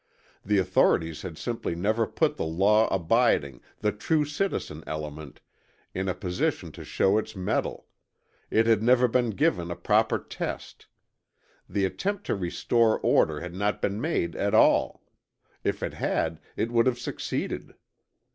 The authorities had simply never put the law abiding, the true citizen element, in a position to show its mettle; it had never been given a proper test. The attempt to restore order had not been made at all; if it had, it would have succeeded.